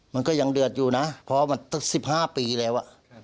มันก็ยังเดือดอยู่นะเพราะว่ามันสิบห้าปีแล้ว